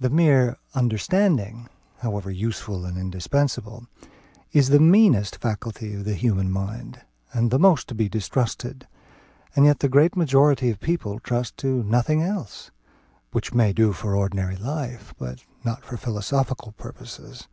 The mere understanding, however useful and indispensable, is the meanest faculty in the human mind, and the most to be distrusted; and yet the great majority of people trust to nothing else; which may do for ordinary life, but not for philosophical purposes.